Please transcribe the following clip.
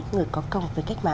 người có công